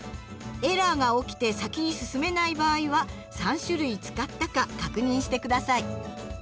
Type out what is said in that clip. エラーが起きて先に進めない場合は３種類使ったか確認して下さい。